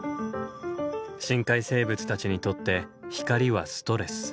深海生物たちにとって光はストレス。